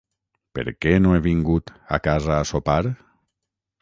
Per què no he vingut a casa a sopar?